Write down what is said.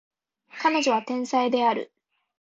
彼女は天才である